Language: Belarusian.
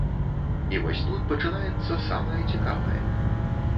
І вось тут пачынаецца самае цікавае.